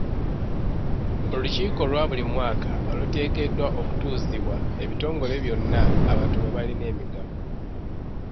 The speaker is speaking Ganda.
Olukiiko olwa buli mwaka oluteekeddwa okutuuzibwa ebitongole byonna abantu mwe balina emigabo.